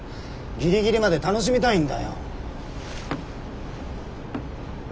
ギリギリまで楽しみたいんだよ。